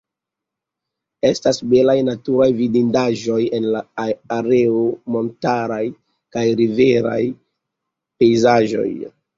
Estas belaj naturaj vidindaĵoj en la areo, montaraj kaj riveraj pejzaĝoj.